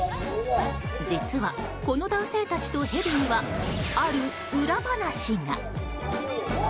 実は、この男性たちとヘビにはある裏話が。